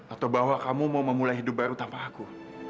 atau bahwa kamu mau memulai hidup baru tanpa aku